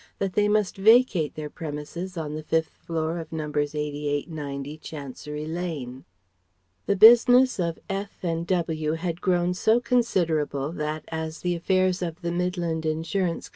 that they must vacate their premises on the fifth floor of Nos. 88 90 Chancery Lane. The business of F. and W. had grown so considerable that, as the affairs of the Midland Insurance Co.